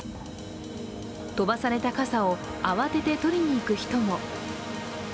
飛ばされた傘を慌てて取りに行く人も。